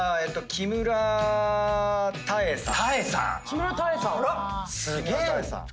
木村多江さん。